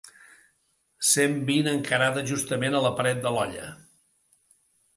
Cent vint encarada justament a la paret de l'olla.